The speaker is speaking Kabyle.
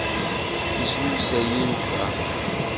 Yeznuzay iruka.